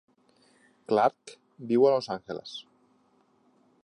Clark viu a Los Angeles.